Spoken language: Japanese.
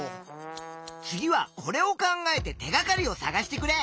次はこれを考えて手がかりをさがしてくれ！